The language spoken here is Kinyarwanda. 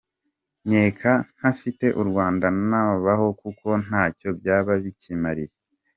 Nkeka ntafite u Rwanda ntabaho, kuko ntacyo byaba bikimariye.